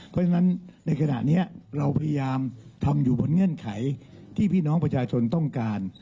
เพราะฉะนั้นในขณะนี้เราพยายามทำอยู่บนเงื่อนไขที่พี่น้องประชาชนต้องการ